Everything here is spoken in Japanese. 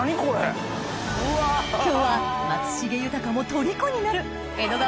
今日は松重豊も虜になる江戸川